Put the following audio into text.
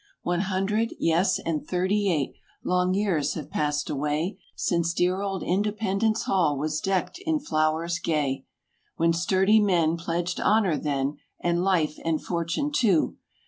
One hundred, yes, and thirty eight, long years have passed away Since dear old Independence Hall was decked in flowers gay; When sturdy men pledged honor then, anddife and fortune, too.